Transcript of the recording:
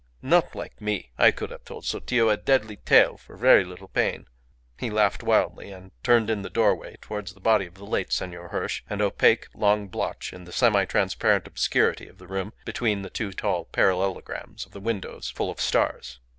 Not like me. I could have told Sotillo a deadly tale for very little pain." He laughed wildly and turned in the doorway towards the body of the late Senor Hirsch, an opaque long blotch in the semi transparent obscurity of the room between the two tall parallelograms of the windows full of stars.